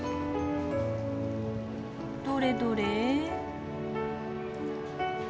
どれどれ。